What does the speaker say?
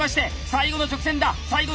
最後の直線だ！